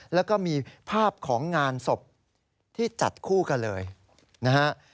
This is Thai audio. แล้วก็มีภาพของงานศพที่จัดคู่กันเลยนะฮะ